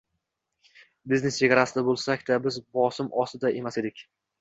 Biznes chegarasida boʻlsak-da, biz bosim ostida emas edik.